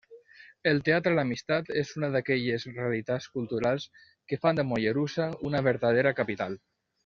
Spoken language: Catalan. El Teatre l’Amistat és una d’aquelles realitats culturals que fan de Mollerussa una vertadera capital.